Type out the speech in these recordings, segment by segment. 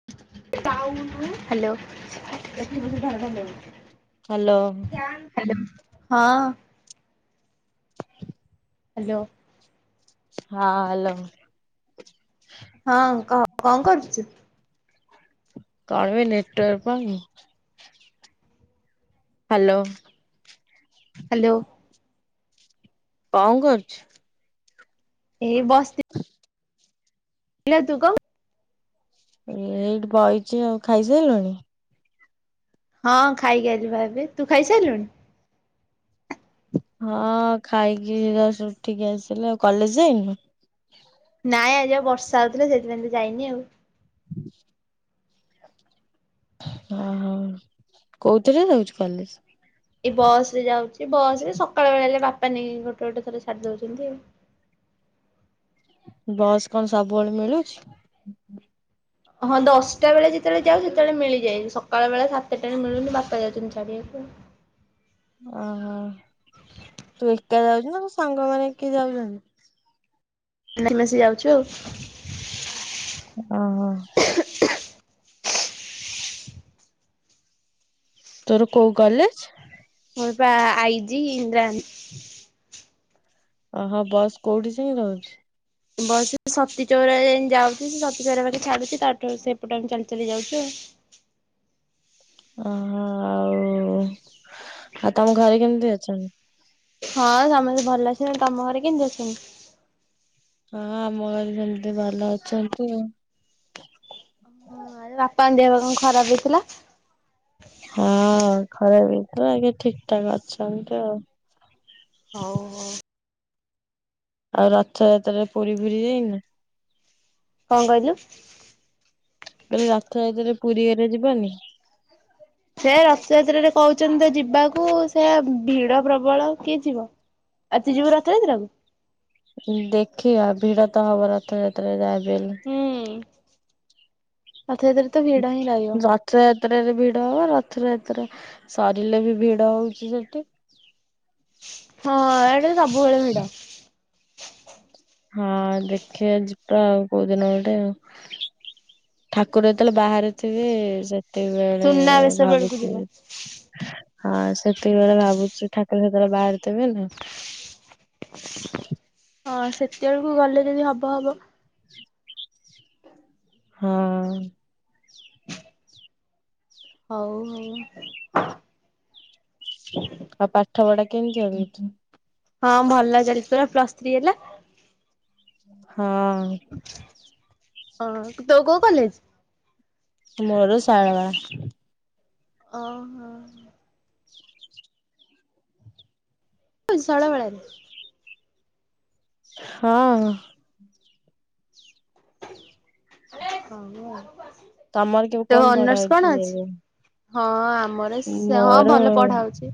[unintelligible] Hello? Hello. Hello ହଁ। Hello. ହଁ hello. ହଁ କ କଣ କରୁଚୁ? କଇବି ନେଟୱପ [unintelligible] ହ୍ୟାଲୋ। ହ୍ୟାଲୋ। କଣ କରୁଚୁ? ଏଇ ବ [inaudible] ନିଲ ତୁକ [unintelligible] ଏ ଏଇଠି ବହିଛି ଆଉ ଖାଇସାରିଲୁଣି? ହଁ ଖାଇକି ଆଇଲି ବା ଏବେ ତୁ ଖାଇସାରିଲୁଣି? ହଁ ଖାଇକି ଜଷ୍ଟ ଉଠିକି ଆସିଲେ ଆଉ କଲେଜ ଯାଇନୁ? ନାଇଁ ଆଜିଉ ବର୍ଷା ହଉଥିଲା ସେଥିପାଇଁ ତ ଯାଇନି ଆଉ। ହୁଁ ଅ ହଁ କୋଉଥିରେ ଯାଉଚୁ କଲେଜେ? ଏଇ ବସ ରେ ଯାଉଚି ବସ ରେ ସକାଳ ବେଳେ ହେ ବାପା ନେଇକି ଗୋଟେ ଗୋଟେ ଥର ଛାଡି ଦଉଚନ୍ତି ଆଉ। ବସ୍ କଣ ସବୁବେଳେ ମିଳୁଚି? ହଁ ଦଶଟା ବେଳେ ଯେତେବେଳେ ଯାଉ ସେତେବେଳେ ମିଳିଯାଏ ସକାଳ ବେଳେ ସାତଟାରେ ମିଳୁନି ବାପା ଯାଉଚନ୍ତି ଛାଡ଼ି। ଦେଖେ ଅ ତୁ ଏକା ଯାଉଚୁ ନା ତୋ ସାଙ୍ଗ ମାନେଏ ଯାଉଚନ୍ତି? ନା ମିଶି ଯାଉଚୁ ଆଉ। ଅ। ତୋର କୋଉ କଲେଜେ? ମୋର ପା ଆଇଜିି ଇନ୍ଦ୍ରାଗାନ୍ଧି। ଓ ହଁ ବସ୍ କୋଉଠି ଯାଇ ରହୁଚି? ବସ ସତୀ ଚଉରା ଯାଏ ଯାଉଚି ସେ ସତୀ ଚଉରା ପାଖେ ଛାଡୁଚି ତାଠୁ ସେପଟ ଆ ଚାଲି ଚାଲି ଯାଉଚୁ ଆଉ। ଅ ହଁ ଆଉ ଆଉ ତମ ଘରେ କେମିତି ଅଛନ୍ତି? ହଁ ସମସ୍ତେ ଭଲ ଆସଛନ୍ତି ତମ ଘରେ କେମିତି ଅଛନ୍ତି? ହଁ ଆମ ଘରେ ସେମେତେ ଭଲ ଅଛନ୍ତି। ହଁ ଆରେ ବାପାଙ୍କ ଦେହ କଣ ଖରାପ ହେଇଥିଲା? ହଁ ଖରାପେ ହେଇଥିଲା ଏବେ ଠିକି ଠାକ ଅଛନ୍ତି ଆଉ। ହଉ। ଆଉ ରଥଯାତ୍ରାରେ ପୁରୀ ଫୁରି ଦେଇନୁ? କଣ କହିଲୁ? ମୁଁ କହିଲି ରଥଯାତ୍ରା ରେ ପୁରୀ ହେରିକା ଯିବନି? ସେ ରଥଯାତ୍ରରେ କହୁଛନ୍ତି ଯିବାକୁ ସେ ଭିଡ ପ୍ରବଳ କିଏ ଯିବ। ଆଉ ତୁ ଯିବୁ ରଥ ଯାତ୍ରାକୁ? ଦେଖିବା ଭିଡ ତ ହବ ରଥଯାତ୍ରାରେ ଯାହାବି ହେଲେ। ହୁଁ ରଥ ଯାତ୍ରା ରତ ରଥ ଯାତ୍ରରେ ଭିଡ ହବ ରଥ ଯାତ୍ରା ସରିଲେ ବି ଭିଡ ହଉଚି ସେଠି। ହଁ ଇଆଡେ ସବୁବେଳେ ଭିଡ। ହଁ ଦେଖିବା ଯିବା ଆଉ କୋଉ ଦିନ ଗଟେ ଆଉ। ଠାକୁର ଯେତେବେଳେ ବାହାରେ ଥିବେ ସେତେବେଳେ ସୁନାବେଶ ବେଳକୁ ଭାବୁଚି ଯିବା। ହଁ ସେତିକି ବେଳେ ଭାବୁଚି ଠାକୁର ସେତେବେଳେ ବାହାରେ ଥିବେ ନା ହଁ ସେତେବେଳକୁ ଗଲେ ଯଦି ହବ ହବ। ହଁ। ହଉ ଆଉ। ଆଉ ପାଠ ପଢା କେମିତି [unintelligible] ହଁ ଭଲ ଚାଲିଛି ପରା ପ୍ଲସ୍ ଥ୍ରୀ ହେଲା। ହଁ। ହଁ ତୋ କଉ କଲେଜ? ମୋର ଶାରଳା। ଅହଁ ଶୈଳବାଳାରେ ହଁ। ହଉ ଆଉ ତମର କେବେ ତୋ କଣ ପଢ଼ା ଅନର୍ସ କଣ ହଉଛି ଅଛି? ଏବେ? ହଁ ଆମର ସେ ହଁ ମୋର ଭଲ ପଢା ହଉଛି।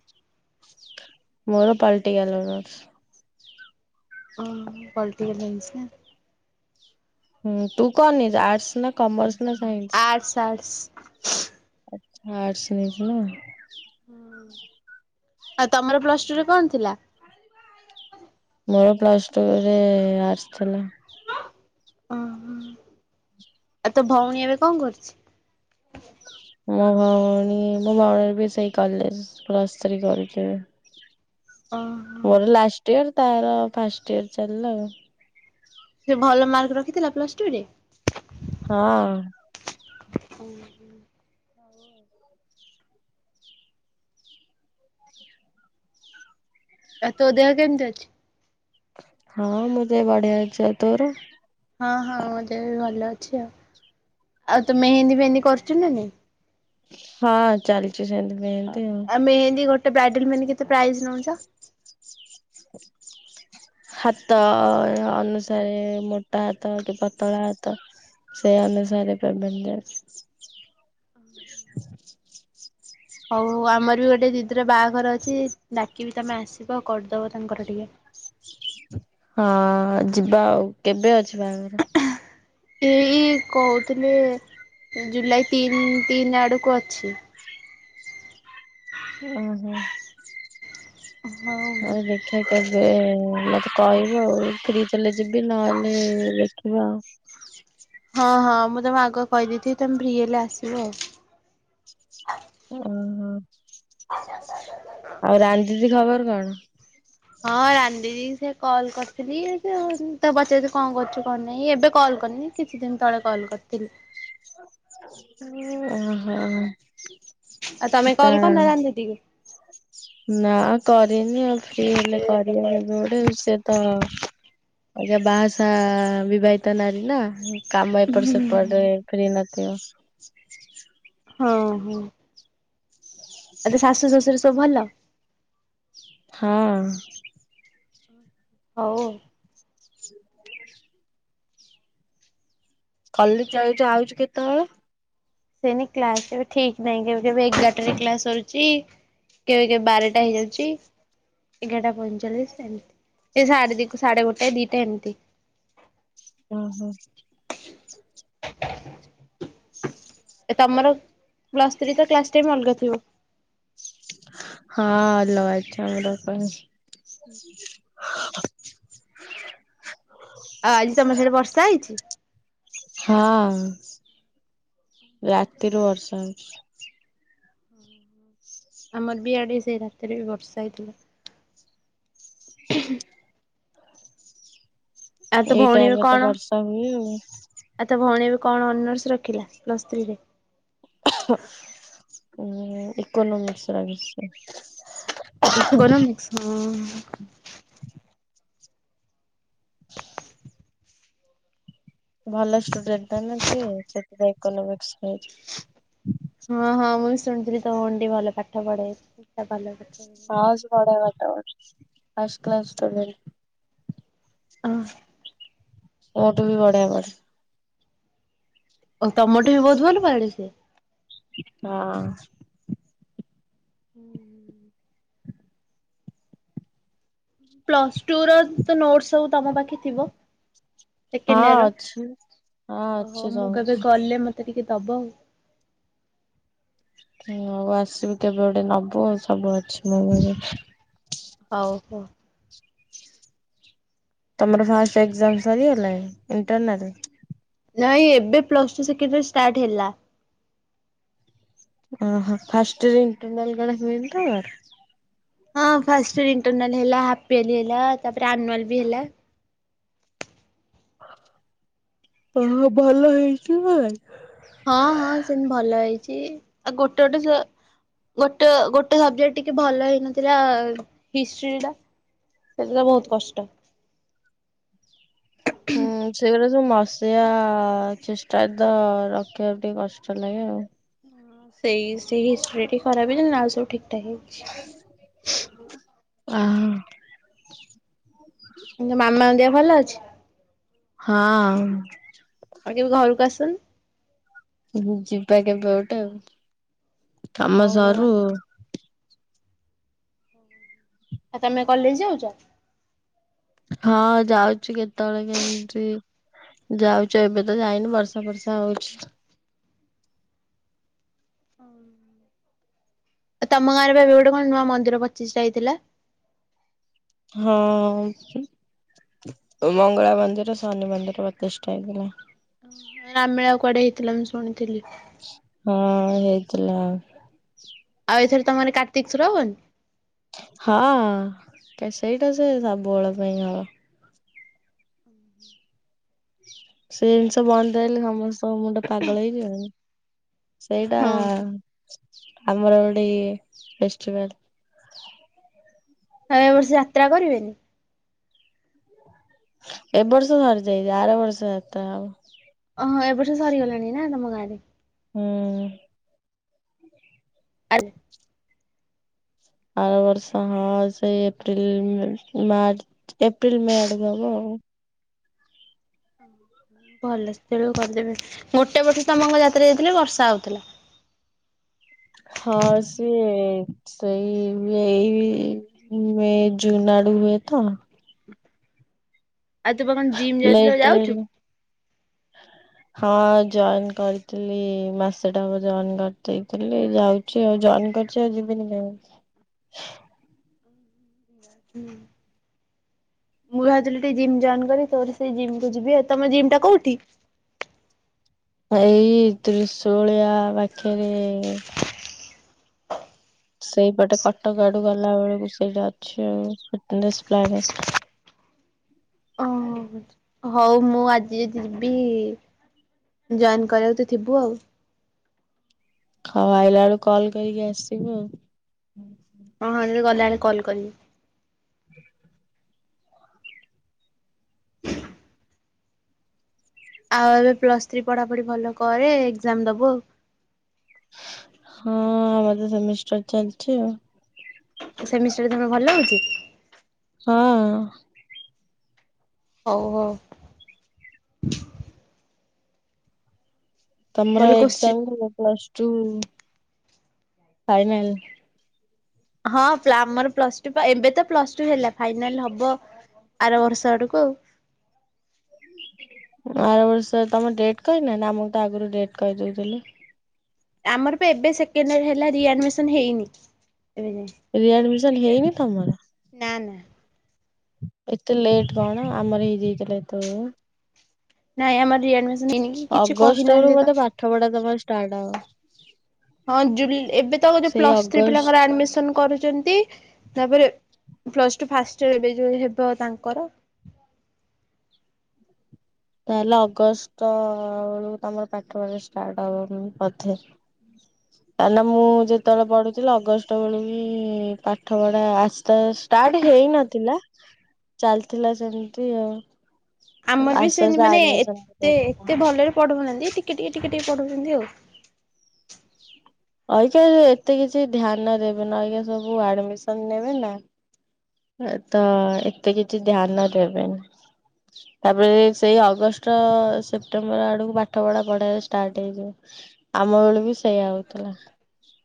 ମୋର ପଲଟିକାଲ୍ ଅର୍ନସ। ହଁ ପଲିଟିକାଲ ସାଇନ୍ସ ନା? ହୁଁ ତୁ କଣ ନେଇଛୁ ଆର୍ଟସ ନା କମର୍ସ? ନା ସାଇନ୍ସ? Arts arts. ଆର୍ଟସ ନେଇଛି ନା। ହୁଁ ଆଉ ତମର ପ୍ଲସ ଟୁ ରେ କଣ ଥିଲା? ମୋର ପ୍ଲସ ଟୁରେ ଆର୍ଟସ୍ ଥିଲା। ଓହୋ, ଆଉ ତୋ ଭଉଣୀ ଏବେ କଣ କରୁଛି? ମୋ ଭଉଣୀ ମୋ ଭଉଣୀ ବି ସେଇ କଲେଜ ପ୍ଲସ୍ ଥ୍ରୀ କରୁଛି ଏବେ। ଅଁ ମୋର ଲାଷ୍ଟ ଇୟର ତାର ଫାଷ୍ଟ ଇୟର ଚାଲିଲା ଆଉ। ସେ ଭଲ ମାର୍କ ରଖିଥିଲା ପ୍ଲସ ଟୁ ରେ। ହଁ। ହଁ ହଁ ଆଉ ତୋ ଦେହ କେମିତି ଅଛି? ହଁ ମୋ ଦେହ ବଢିଆ ଅଛି ଆଉ ତୋର? ହଁ ହଁ ମୋ ଦେହ ବି ଭଲ ଅଛି ଆଉ, ଆଉ ତୁ ମେହେନ୍ଦୀ ଫେହେନ୍ଦୀ କରୁଛୁ ନାଁ ନାଇଁ? ହଁ ଚାଲିଛି ସେଥିପାଇଁ ସେମିତି ଆଉ। ମେହେନ୍ଦୀ ଗୋଟେ ବ୍ରାଇଡାଲ ମେହେନ୍ଦି ମାନେ କେତେ ପ୍ରାଇସ ନଉଛ? ହାତ ଅନୁସାରେ ମୋଟା ହାତ କି ପତଳା ହାତ? ସେଇ ଅନୁସାରେ [unintelligible] ହଉ ଆମର ବି ଗୋଟେ ଦିଦିର ବାହାଘର ଅଛି ଡାକିବି ତମେ ଆସିବ କରିଦବ ତାଙ୍କର ଟିକେ। ହଁ ଯିବା ଆଉ, କେବେ ଅଛି ବାହାଘର? ଏଇ କହୁଥିଲେ ଜୁଲାଇ ତିନି ତିନି ଆଡ଼କୁ ଅଛି। ଉଁ ହୁଁ। ହଉ। ଠିକ୍ ଅଛି ମତେ କହିବୁ ଆଉ ଫ୍ରି ଥିଲେ ଯିବି ନହେଲେ ଦେଖିବା ଆଉ। ହଁ ହଁ ମୁଁ ତମକୁ ଆଗୁଆ କହିଦେଇଥିବି ତମେ ଫ୍ରି ହେଲେ ଆସିବ ଆଉ। ଉଁ ହୁଁ, ଆଉ ରାନି ଦିଦି ଖବର କଣ? ହଁ ରାନି ଦିଦି ସେ କଲ୍ କରିଥିଲି ସେ ତାକୁ ପଚାରୁଥିଲି କଣ କରୁଛୁ କଣ ନାହିଁ, ଏବେ କଲ କରିନି। କିଛି ଦିନ ତଳେ କଲ୍ କରିଥିଲି। ଉଁ ଓ ହୋ, ଆଉ ତମେ ହେତା କଲ୍ [unintelligible] ନା କରିନି ଆଉ ଫ୍ରି ହେଲେ କରିବା କେବେ ଗୋଟେ ସେ ତ ଏ ଯେ ବାହାସାଆ ବିବାହିତ ନାରୀ ନା ହୁ କାମ ଏଟପ ସେପଟ ଫ୍ରି ନଥିବ। ହଁ, ହଁ। ହଁ ଆଉ ତ ଶାଶ ଶ୍ୱଶୁର ସବୁ ଭଲ? ହଁ। ହଉ। ହ କଲେଜ୍ ଯାଉଛୁ ଆଉଛୁ କେତେବେଳେ? ସେନି କ୍ଲାସ୍ କେବେ ଠିକ ନାହିଁ, କେବେ କେବେ ଏଗାରଟରେ କ୍ଲାସ୍ ସରୁଛି। କେବେ କେବେ ବାରଟା ହେଇଯାଉଛି। ଏଗାରଟା ପଇଁଚାଳିଶ ଏମିତି, ଏ ସାଡେ ଦି ସାଡେ ଗୋଟେ ଦିଟା ଏମିତି। ଓ ହୋ। ଏ ତୋମର ପ୍ଲସ୍ ଥ୍ରୀ ତ କ୍ଲାସ୍ ଟାଇମ୍ ଅଲଗା ଥିବ? ହଁ ଅଲଗା ଛମର ପାଇଁ। ହୁଁ। ଅ, ଆଜି ତୋମର ସେଇଠି ବର୍ଷା ହେଇଛି? ହଁ ରାତିରୁ ବର୍ଷା ହଉଛି। ହୁଁ, ହୁଁ। ଆମର ବି ଇଆଡ଼େ ସେଇ ରାତିରେ ବି ବର୍ଷା ହେଇଥିଲା। ହଁ ଆଉ ତୋ ଏଇ ଭଉଣୀ ଟାଇମ୍ ଏବେ ରେ ତ କଣ ବର୍ଷା ହୁଏ ଆଉ। ଆଉ ତ ଭଉଣୀ ଏବେ କଣ ଅନର୍ସ ରଖିଲା ପ୍ଲସ୍ ଥ୍ରୀରେ? ଉଁ, ଇକୋନମିକ୍ସ ରଖିଛି। ଇକୋନମିକ୍ସ ହଁ, ହଁ। [inaudible] ଭଲ ଷ୍ଟୁଡେଣ୍ଟ ଟା ନା ସେ ସେଥିପାଇଁ ଇକୋନୋମିକ୍ସ ନେଇଛି। ହଁ ହଁ ମୁଁ ବି ଶୁଣିଥିଲି ତୋମ ଭଉଣୀ ଟି ଭଲ ପାଠ ପଢେ। [unintelligible] ହଁ ସେ ପଢେ ପାଠ ଫାଷ୍ଟ କ୍ଲାସ୍ ଷ୍ଟୁଡେଣ୍ଟ। ଅଁ, ମୋଠୁ ବି ବଢିଆ ପଢେ। ଓ ତମୋଠୁ ବି ବହୁତ ଭଲ ପାଢେ ସିଏ? ହଁ। ହୁଁ। ପ୍ଲସ୍ ଟୁ ର ତ ନୋଟ୍ସ ସବୁ ତୋମ ପାଖେ ଥିବ? ସେକେଣ୍ଡ ହଁ ଇୟର୍ ଅଛି ହଁ ଓହୋ, ଅଛି ମୁଁ ସବୁ। କେବେ ଗଲେ ମୋତେ ଟିକେ ଦବ ଆଉ। ହଁ ଆଉ ଆସିକି କେବେ ଗୋଟେ ନବ ଆଉ ସବୁ ଅଛି ମୋ ପାଖେ। ହଉ ହୋ ତୋମର ଫାଷ୍ଟ ଏକ୍ଜାମୂ ସରିଗଲାଣି ଇଣ୍ଟରନାଲ୍? ନାଇଁ ଏବେ plus two second year start ହେଲା। ଓହୋ, ଫାଷ୍ଟ ଇୟରୂ ରେ ଇଣ୍ଟରନାଲ୍ ଗଣା ହୁଏନି ତ ହଁ ଫାଷ୍ଟ ଇୟର୍ ଇଣ୍ଟରନାଲ ହେଲା, ହାପିଆଲି ହେଲା, ତାପରେ ଆନୁଆଲ୍ ବି ହେଲା। ଓ ହଁ ଭଲ ହେଇଛି [unintelligible] ହଁ, ହଁ ସେମତି ଭଲ ହେଇଛି ଆ, ଗୋଟେ ଗୋଟେ ସେ ଗୋଟ ଗୋଟେ ସବଜେକ୍ଟ ଟିକେ ଭଲ ହେଇନଥିଲା ହିଷ୍ଟ୍ରି ଟା। ସେଗୁରା ବହୁତ୍ କଷ୍ଟ ହୁଁ ସେଗୁରା ସବୁ ମସିଆ ଚେଷ୍ଟା ତ ରଖିଆକୁ ଟିକେ କଷ୍ଟ ଲାଗେ ଆଉ ସେଇ ସେଇ ହିଷ୍ଟ୍ରି ଟି ଖରାପ ହେଇ ସବୁ ଠିକ୍ ଠାକ୍ ହେଇଚି ଆଃ ମାମାଙ୍କ ଦେହ ଭଲ ଅଛି ହଁ ଆଉ କେବେ ଘରକୁ ଆସୁନ୍ ହିଁ ଯିବା କେବେ ଗୋଟେ ଆଉ କାମ ହଉ ହଉ ଆ ସରୁ ଆଉ ତମେ କଲେଜ୍ ଯାଉଚ ହଁ ଯାଉଚି କେତେଅଳେ କେମିତି ଯାଉଛି ଏବେ ତ ଯାଇନି ବର୍ଷା ଫର୍ଷା ହଉଛି ଆ ତମ ଗାଁରେ ଏବେ ଗୋଟେ କଣ ନୂଆ ମନ୍ଦିର ପଚିଷ୍ଟା ହେଇଥିଲା ହଁ ମଙ୍ଗଳା ମନ୍ଦିର ଶନି ମନ୍ଦିର ପ୍ରତିଷ୍ଠା ହେଇଥିଲା ନାମିଳା କୁଆଡେ ହେଇଥିଲା ମୁଁ ଶୁଣିଥିଲି ହଁ ହେଇଥିଲା ଆଉ ଏଥରେ ତମର କାର୍ତ୍ତିକସ୍ୱର ହବନି ହଁ ସେଇଟା ସେ ସବୁବେଳ ପାଇଁ ହବ [inaudible] ସେ ହଉ ଜିନିଷ ଆଉ। ବନ୍ଦ ହେଲେ ସମସ୍ତଙ୍କ ମୁଣ୍ଡ ପାଗଳ ହେଇ ଯିବନି ସେଇଟା ଆମର ଗୋଟି ଏ ଫେଷ୍ଟିଭାଲ ଆଉ ଏ ବର୍ଷ ଯାତ୍ରା କରିବେନି ଏବ ବର୍ଷ ସରିଯାଇଚି ଆର ବର୍ଷ ଯାତ୍ରା ହବ ଅହଁ ଏବର୍ଷ ସରିଗଲାଣି ନା ତମ ଗାଁରେ ହୁଁ [inaudible] ଆାର ବର୍ଷ ହଁ ସେ ଏପ୍ରିଲ ମାର୍ଚ୍ଚ ଏପ୍ରିିଲ୍ ମେ ଆଡ଼କୁ ହବ ଆଉ ଭଲ ସେଟେବେଳକୁ କରିଦେବି ଗୋଟେ ବର୍ଷ ତମ ଯାତ୍ରରେ ଯାଇଥିଲେ ବର୍ଷା ହଉଥିଲା ହଁ ସେ ସେଇ ଏଇ ମେ ଜୁନ ଆଡ଼ୁ ହୁଏ ତ ଆଉ ତୁ ପା କଣ ଜିମ୍ ଯାଉଥିଲୁ ଆଉ ଲେଟ୍ ରେ ଯାଉଛୁ? ହେଲେ [inaudible] ହଁ ଜଏନ୍ କରିଥିଲି ମାସେ ଟେ ହବ ମୁ ଜଏନ୍ କରିଦେଇଥିଲି ଯାଉ ଛି ଆଉ ଜଏନ୍ କରିଛି ଆଉ ଯିବିନି କାଇ [inaudible] ହୁଁ ମୁଁ ଭାବୁଥିଲି ଟିକେ ଜିମ୍ ଜଏନ୍ କରି ତୋ ସେଇ ଜିମ୍ କୁ ଯିବି ତମ ଜିମ୍ ଟା କଉଠି ଏଇ ତ୍ରିଶୁଳିଆ ପାଖରେ ସେଇପଟେ କଟକ ଆଡୁ ଗଲା ବେଳକୁ ସେଇଟା ଅଛି ଫିଟନେସ ହଉ ମୁଁ ଆଜି ଯିବି ଜଏନ କରିବାକୁ ତ ଥିବୁ ଆଉ ହୋଊ ଆଇଲା ବେଳକୁ କଲ୍ କରିକି ଆସିବୁ ଆଉ [inaudible] ହଁ ହଁ ଯଦି ଗଲାବେଳେ କଲ୍ କରିବି ଆଉ ଏବେ ପ୍ଲସ୍ ଥ୍ରୀ ପଢ଼ାପଢି ଭଲ କରେ ଏକ୍ଜାମ ଦବୁ ଆଉ ହଁ ଆମର ତ ସେମିଷ୍ଟର ଚାଲିଛି ଆଉ ସେମିଷ୍ଟାରେରେ ତମେ ଭଲ ହଉଛି? ହଁ ହଉ, ହଉ। ତମର ଭଲ କୋଶ୍ଚି ଏକ୍ଜାମ କେବେ ପ୍ଲସ୍ଟୁ ଫାଇନାଲ? ହଁ ପ୍ଲାମର ପ୍ଲସ୍ଟୁ ପା ଏବେ ତ ପ୍ଲସ୍ଟୁ ହେଲା ଫାଇନାଲ ହବ। ଆରବର୍ଷ ଆଡ଼କୁ ଆଉ। ଆର ବର୍ଷ ତମ ଡେଟ୍ କହିନାନ୍ ଆମକୁ ତ ଆଗରୁ ଡେଟ୍ କହିଦଉଥିଲେ। ଆମର ପା ଏବେ ସେକଣ୍ଡଇୟର ହେଲା ରିଆଡ଼ମିସନ ହେଇନି ଏବେଁ ଯାଏ। ରି ଆଡ଼ମିସନ ହେଇନି ତମର? ନାଁନା। ଏତେ ଲେଟ୍ କଣ ଆମର ହେଇଯାଇଥିଲା ଏତେବେଳକୁ। ନାଇଁ ଆମର ରିଆଡ଼ମିସନ ହେଇନି କି କିଛି କହିନାହାନ୍ତି ତ? ପାଠପଢ଼ା ତମର ଷ୍ଟାର୍ଟ ହବ। ହଁ ଜୁଲ୍ ଏବେତକ ଯୋଉ ସେଇ ପ୍ଲସଥ୍ରୀ ଅଗଷ୍ଟ ପିଲାଙ୍କର ଆଡ଼ମିସନ କରୁଛନ୍ତି। ତାପରେ ପ୍ଲସଟୁ ଫାଷ୍ଟଇୟର ଏବେ ଯୋଉ ହେବ ତାଙ୍କର। ତାହେଲେ ଅଗଷ୍ଟ ବେଳୁକୁ ତମର ପାଠପଢା ଷ୍ଟାର୍ଟ ହବ ବଧେ। ହୁଁ [inaudible] କାରନା ମୁଁ ଯେତେବେଳେ ପଢୁଥିଲି ଅଗଷ୍ଟ ବେଳୁ ବି ପାଠପଢ଼ା ଆସ୍ତେ ଆସ୍ ଷ୍ଟାର୍ଟ ହେଇନଥିଲା ଚାଲିଥିଲା ସେମିତି ଆଉ। ଆମର ବି ଆସ୍ତେ ସେନ୍ତି ଆସ୍ତେ ମାନେ ଆଡମିସନ ଏତେ ହେଇଗଲା। ଏତେ ଭଲରେ ପଢ଼ଉନାହାନ୍ତି ଟିକେ, ଟିକେ, ଟିକେ, ଟିକେ ପଢ଼ଉଛନ୍ତି ଆଉ। ଅଇକା ଏତେ କିଛି ଧ୍ୟାନ ଦେବେନି ଅଇକା ସବୁ ଆଡ଼ମିସନ ନେବେ ନା। ତ ଏତେ କିଛି ଧ୍ୟାନ ଦେବେନି। ତାପରେ ସେଇ ଅଗଷ୍ଟ ସେପ୍ଟେମ୍ବର ଆଡ଼କୁ ପାଠପଢ଼ା ପଢ଼ାରେ ଷ୍ଟାର୍ଟ ହେଇଯିବ। ଆମ ବେଳେବି ସେଇଆ ହଉଥିଲା।